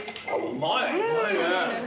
うまいね。